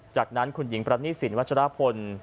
จากนั้นคุณหญิงปรณีสินวัชรพล